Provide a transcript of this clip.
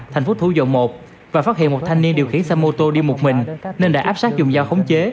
thành phố thủ dầu một và phát hiện một thanh niên điều khiển xe mô tô đi một mình nên đã áp sát dùng dao khống chế